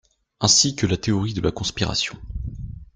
Ainsi que la théorie de la conspiration.